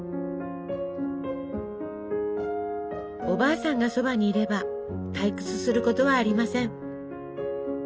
おばあさんがそばにいれば退屈することはありません。